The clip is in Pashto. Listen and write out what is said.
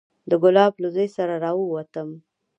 د ګلاب له زوى سره راووتم.